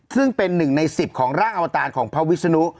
ซึ่งเป็นหนึ่งใน๑๐ของร่างอวตารของพระวิศนุ